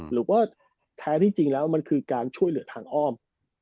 หรือว่าแท้ที่จริงแล้วมันคือการช่วยเหลือทางอ้อม